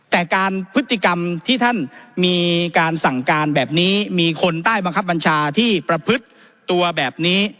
แต่การพฤติกรรมที่ท่านมีการสั่งการแบบนี้มีคนใต้บังคับบัญชาที่ประพฤติตัวแบบนี้